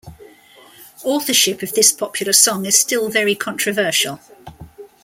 Authorship of this popular song is still very controversial.